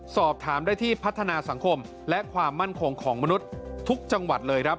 สอบถามได้ที่พัฒนาสังคมและความมั่นคงของมนุษย์ทุกจังหวัดเลยครับ